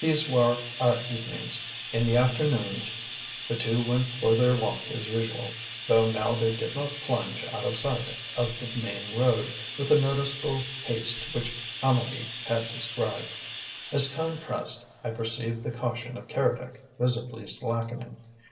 These were our evenings. In the afternoons the two went for their walk as usual, though now they did not plunge out of sight of the main road with the noticeable haste which Amedee had described. As time pressed, I perceived the caution of Keredec visibly slackening.